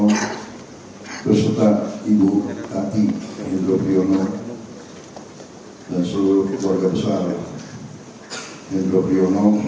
pak hidrohan peserta ibu tati hendo piono dan seluruh keluarga besar hendo piono